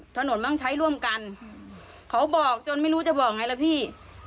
ถนนมันต้องใช้ร่วมกันเขาบอกจนไม่รู้จะบอกไงล่ะพี่